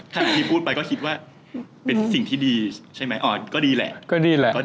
ถ้าพี่พูดไปก็คิดว่าเป็นสิ่งที่ดีใช่ไหมอ่อก็ดีแหละก็ดีแหละ